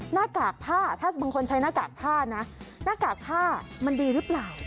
หน้ากากผ้าถ้าบางคนใช้หน้ากากผ้านะหน้ากากผ้ามันดีหรือเปล่า